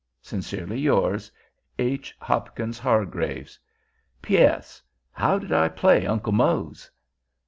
Sincerely yours, H. HOPKINS HARGRAVES. P.S. How did I play Uncle Mose?